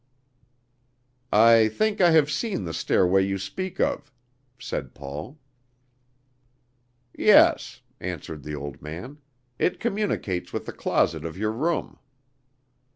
"I think I have seen the stairway you speak of," said Paul. "Yes," answered the old man, "it communicates with the closet of your room.